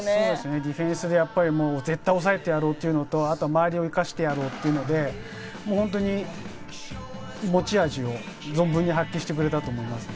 ディフェンスで絶対抑えてやろうというのと、あと周りを生かしてやろうというので、持ち味を存分に発揮してくれたと思います。